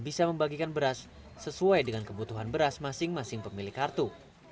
bisa membagikan beras sesuai dengan kebutuhan beras masing masing pemilik kartu